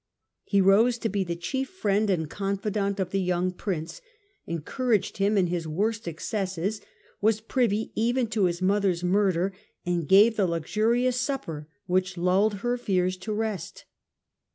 He rose to be the chief friend and confidant of the young prince, encouraged him in his worst excesses, was privy even to his mother's murder, and gave the luxurious supper which lulled her fears to rest.